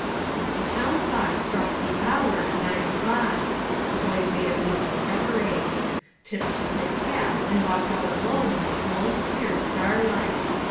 The town clock struck the hour, nine o'clock. The boys made a move to separate. Tip took his cap and walked out alone in the cold, clear starlight.